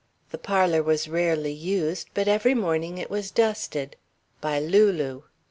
The parlour was rarely used, but every morning it was dusted. By Lulu.